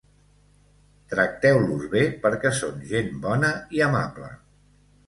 Tracteu-los bé perquè són gent bona i amable.